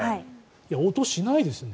音、しないですね。